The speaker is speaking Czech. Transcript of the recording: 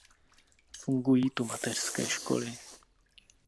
Fungují tu mateřské školy.